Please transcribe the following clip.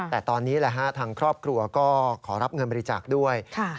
แต่ตอนนี้ทางครอบครัวก็ขอรับเงินบริจาคด้วย